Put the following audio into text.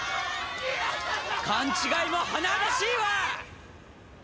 勘違いも甚だしいわ！